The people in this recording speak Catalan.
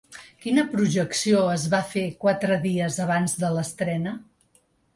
Quina projecció es va fer quatre dies abans de l'estrena?